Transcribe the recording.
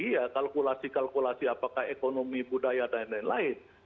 iya kalkulasi kalkulasi apakah ekonomi budaya dan lain lain